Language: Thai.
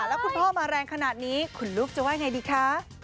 แล้วคุณพ่อมาแรงขนาดนี้คุณลูกจะว่าไงดีคะ